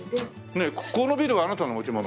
ねえこのビルはあなたの持ち物？